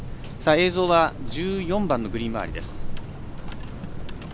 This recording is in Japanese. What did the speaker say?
映像は１４番のグリーン周りです。